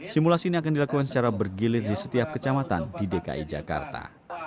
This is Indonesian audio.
simulasi ini akan dilakukan secara bergilir di setiap kecamatan di dki jakarta